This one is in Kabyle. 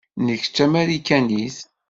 Nekk d Tamarikanit.